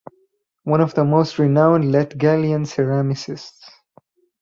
One of the most renowned Latgalian ceramicists.